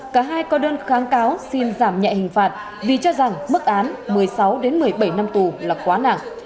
cả hai có đơn kháng cáo xin giảm nhẹ hình phạt vì cho rằng mức án một mươi sáu một mươi bảy năm tù là quá nặng